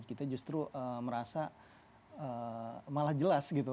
kita justru merasa malah jelas gitu